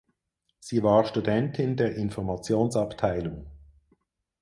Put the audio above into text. Sie war Studentin der Informationsabteilung.